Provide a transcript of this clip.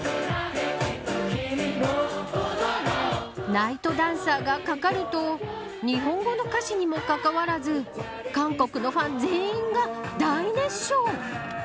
ＮＩＧＨＴＤＡＮＣＥＲがかかると日本語の歌詞にもかかわらず韓国のファン全員が大熱唱。